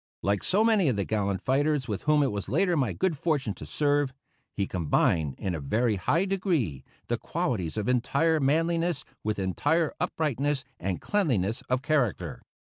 Like so many of the gallant fighters with whom it was later my good fortune to serve, he combined, in a very high degree, the qualities of entire manliness with entire uprightness and cleanliness of character.